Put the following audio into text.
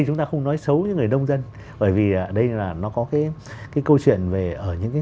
chúng ta không nói xấu với người nông dân bởi vì đây là nó có cái câu chuyện về ở những cái